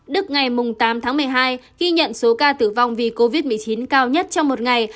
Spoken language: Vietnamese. đức ngày tám tháng một mươi hai ghi nhận số ca tử vong vì covid một mươi chín cao nhất trong một ngày